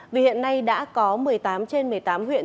vì hiện nay đã có một mươi tám trên một mươi tám huyện